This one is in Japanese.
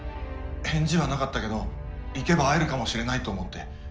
返事はなかったけど行けば会えるかもしれないと思って。